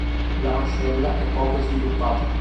La mascella è poco sviluppata.